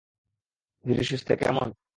ধীরেসুস্থে, কেমন?